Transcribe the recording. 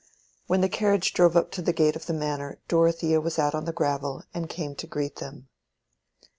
When the carriage drove up to the gate of the Manor, Dorothea was out on the gravel, and came to greet them.